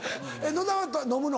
野田は飲むの？